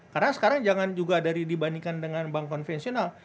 karena sekarang jangan juga dari dibandingkan dengan bank konvensional